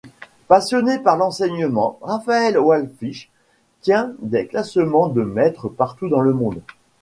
Passionné par l'enseignement, Raphael Wallfisch tient des classes de maître partout dans le monde.